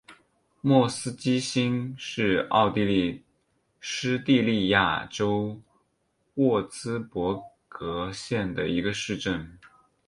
莫斯基兴是奥地利施蒂利亚州沃茨伯格县的一个市镇。